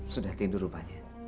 sudah tidur rupanya